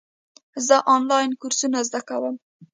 زه آنلاین کورسونه زده کوم.